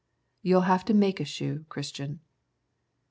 "You'll have to make a shoe, Christian."